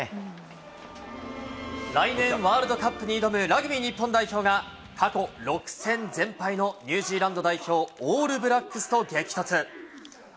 来年、ワールドカップに挑むラグビー日本代表が、過去６戦全敗のニュージーランド代表、オールブラックスと激突。